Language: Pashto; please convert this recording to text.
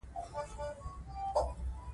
زه پوهېږم چې څپه څه ده.